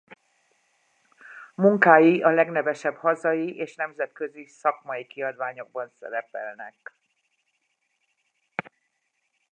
Munkái a legnevesebb hazai és nemzetközi szakmai kiadványokban szerepelnek.